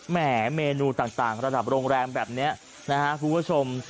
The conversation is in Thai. แหมเมนูต่างระดับโรงแรมแบบนี้นะฮะคุณผู้ชม